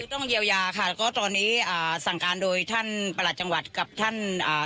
ต้องเยียวยาค่ะแล้วก็ตอนนี้อ่าสั่งการโดยท่านประหลัดจังหวัดกับท่านอ่า